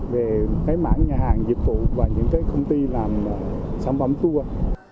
về cái mảng nhà hàng dịch vụ và những cái công ty làm sản phẩm tour